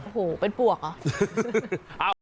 โอ้โหเป็นปวกเหรอ